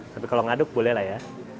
tapi kalau ngaduk boleh lah ya